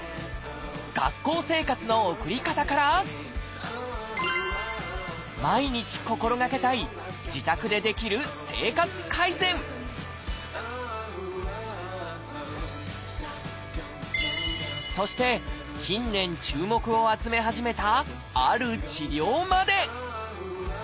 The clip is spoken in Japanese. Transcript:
学校生活の送り方から毎日心がけたい自宅でできるそして近年注目を集め始めたある治療まで！